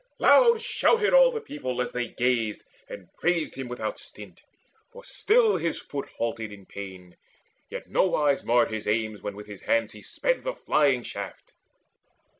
Loud shouted all the people as they gazed, And praised him without stint, for still his foot Halted in pain, yet nowise marred his aim When with his hands he sped the flying shaft.